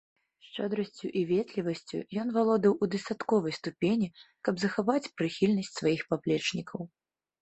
Шчодрасцю і ветлівасцю ён валодаў у дастатковай ступені, каб захаваць прыхільнасць сваіх паплечнікаў.